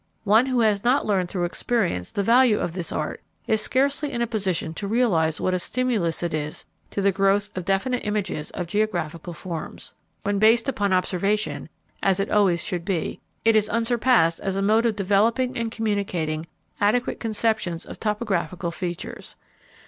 One who has not learned through experience the value of this art is scarcely in a position to realize what a stimulus it is to the growth of definite images of geographical forms. When based upon observation, as it always should be, it is unsurpassed as a mode of developing and communicating adequate conceptions of topographical features.